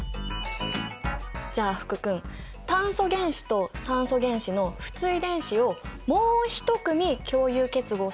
じゃあ福君炭素原子と酸素原子の不対電子をもう一組共有結合させてみたらどう？